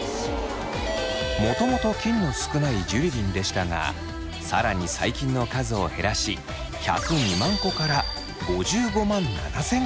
もともと菌の少ないジュリリンでしたが更に細菌の数を減らし１０２万個から５５万７，０００個に。